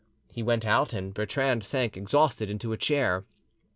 He went out, and Bertrande sank exhausted into a chair.